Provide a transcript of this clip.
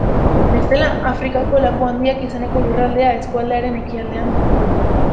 Bestela, Afrikako Laku Handiak izeneko lurraldea eskualdearen ekialdean dugu.